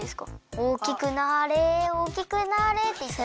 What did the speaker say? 「おおきくなれおおきくなれ」っていったら。